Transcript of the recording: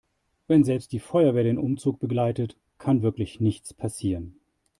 Wenn selbst die Feuerwehr den Umzug begleitet, kann wirklich nichts passieren.